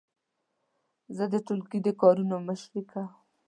زه د ټولګي د کارونو مشري کوم.